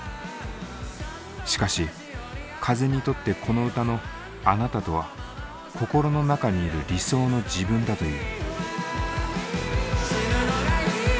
しかし風にとってこの歌の「あなた」とは「心の中にいる理想の自分」だという。